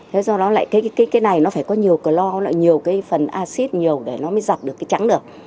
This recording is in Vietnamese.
thế do đó lại cái này nó phải có nhiều cơ lo nhiều cái phần acid nhiều để nó mới giặt được cái trắng được